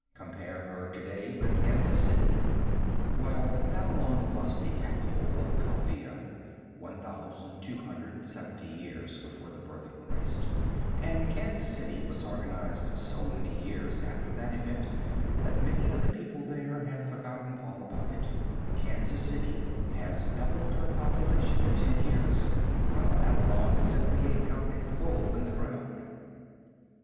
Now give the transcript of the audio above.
Compare her to day with Kansas City. While Babylon was the capital of Chaldea, 1,270 years before the birth of Christ, and Kansas City was organized so many years after that event that many of the people there have forgotten all about it, Kansas City has doubled her population in ten years, while Babylon is simply a gothic hole in the ground.